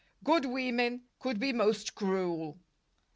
Good women could be most cruel.